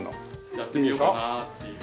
やってみようかなっていう。